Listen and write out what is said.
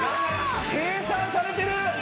計算されてる。